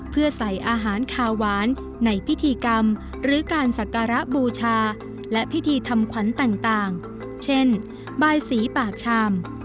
เพื่อใส่อาหารขาวหวานในพิธีกรรมหรือการสักการะบูชาและพิธีทำขวัญต่างเช่นบายสีปากชาม